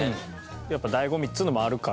やっぱ醍醐味っつうのもあるから。